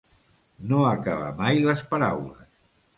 No acabar mai les paraules.